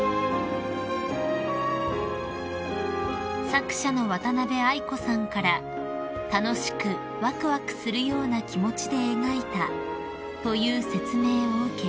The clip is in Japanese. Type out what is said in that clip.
［作者の渡辺愛子さんから「楽しくわくわくするような気持ちで描いた」という説明を受け］